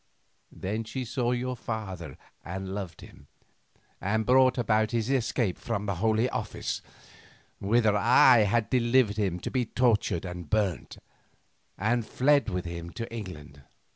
Then she saw your father and loved him, and brought about his escape from the Holy Office, whither I had delivered him to be tortured and burnt, and fled with him to England.